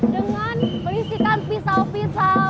dengan melisikkan pisau pisau